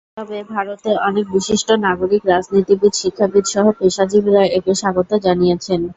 তবে ভারতে অনেক বিশিষ্ট নাগরিক, রাজনীতিবিদ, শিক্ষাবিদসহ পেশাজীবীরা একে স্বাগত জানিয়েছেন।